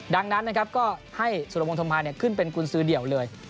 ดังนั้นนะครับก็ให้สุรวงธมภาขึ้นเป็นกุญสือเดี่ยวเลย